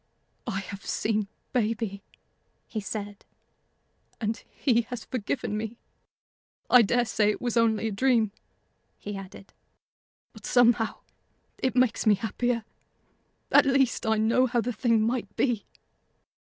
"I have seen baby," he said, "and he has forgiven me. I dare say it was only a dream," he added, "but somehow it makes me happier. At least, I know how the thing might be."